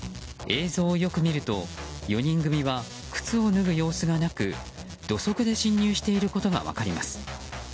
映像をよく見ると４人組は靴を脱ぐ様子がなく土足で侵入していることが分かります。